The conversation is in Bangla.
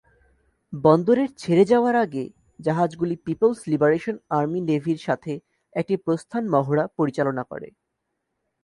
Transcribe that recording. বন্দরের ছেড়ে যাওয়ার আগে, জাহাজগুলি পিপলস লিবারেশন আর্মি নেভির সাথে একটি প্রস্থান মহড়া পরিচালনা করে।